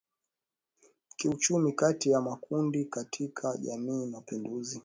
kiuchumi kati ya makundi katika jamii Mapinduzi